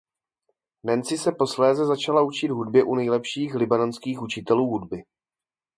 Nancy se posléze začala učit hudbě u nejlepších libanonských učitelů hudby.